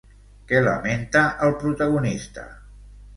Què lamenta el protagonista?